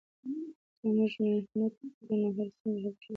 که موږ محنت وکړو، نو هره ستونزه حل کیدای سي.